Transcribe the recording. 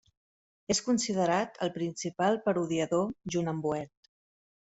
És considerat el principal parodiador junt amb Boet.